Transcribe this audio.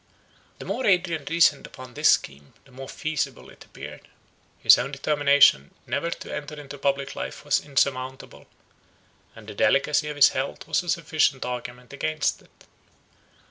The more Adrian reasoned upon this scheme, the more feasible it appeared. His own determination never to enter into public life was insurmountable, and the delicacy of his health was a sufficient argument against it.